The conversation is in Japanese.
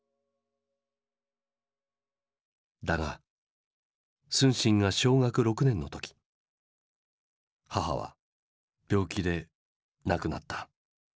だが承信が小学６年の時母は病気で亡くなった。